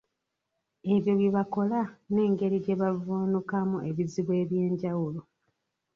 Ebyo bye bakola n'engeri gye bavvuunukamu ebizibu eby'enjawulo,